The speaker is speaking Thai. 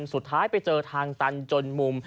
สุดท้ายไปเจอทางตันจนมุม